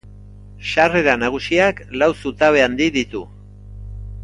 Sarrera nagusiak lau zutabe handi ditu.